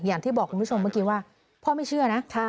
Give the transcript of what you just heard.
อย่างที่บอกคุณผู้ชมเมื่อกี้ว่าพ่อไม่เชื่อนะ